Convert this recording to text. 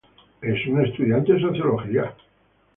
Es una estudiante de sociología.